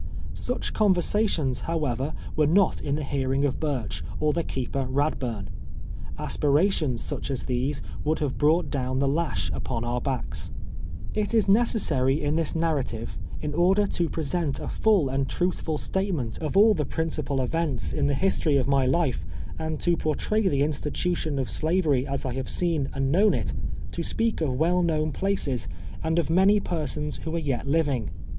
Such conversations, however, were not in the hearing of Burch, or the keeper Radburn. Aspirations such as these would have brought down the lash upon our backs. It is necessary in this narrative, in order to present a fidl and truthful statement of all the principal events C 1 50 TWELVK YEARS A SLAVE. in the history of my life, aiul to portray the institu tion of Slavery as I have seen and known it, to speak of well known i)laces, and of ^niany persons Avho are yet living.